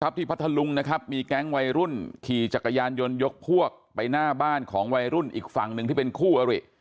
พัทธลุงนะครับมีแก๊งวัยรุ่นขี่จักรยานยนต์ยกพวกไปหน้าบ้านของวัยรุ่นอีกฝั่งหนึ่งที่เป็นคู่อริ